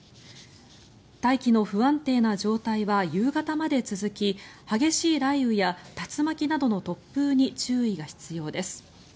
大気の不安定な状態は夕方まで続き激しい雷雨や竜巻などの突風に注意が必要です。